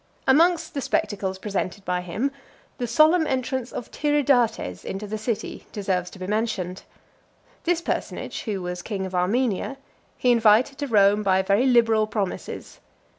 XIII. Amongst the spectacles presented by him, the solemn entrance of Tiridates into the city deserves to be mentioned. This personage, who was king of Armenia, he invited to Rome by very liberal promises.